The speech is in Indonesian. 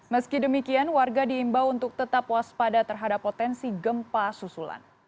meski demikian warga diimbau untuk tetap waspada terhadap potensi gempa susulan